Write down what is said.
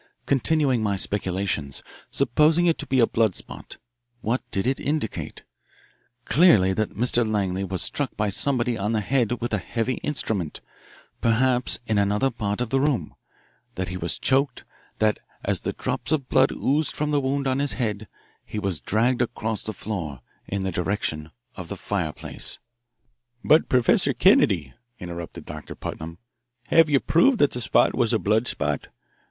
Continuing my speculations, supposing it to be a blood spot, what did it indicate? Clearly that Mr. Langley was struck by somebody on the head with a heavy instrument, perhaps in another part of the room, that he was choked, that as the drops of blood oozed from the wound on his head, he was dragged across the floor, in the direction of the fireplace " "But, Professor Kennedy," interrupted Doctor Putnam, "have you proved that the spot was a blood spot?